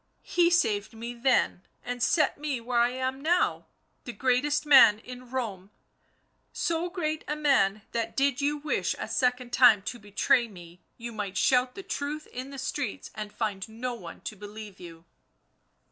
"He saved me then and set me where I am now, the greatest man in Rome — so great a man that, did you wish a second time to betray me you might shout the truth in the streets and find no one to believe you."